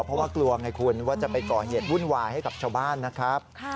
เพราะว่ากลัวไงคุณว่าจะไปก่อเหตุวุ่นวายให้กับชาวบ้านนะครับ